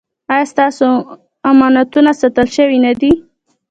ایا ستاسو امانتونه ساتل شوي نه دي؟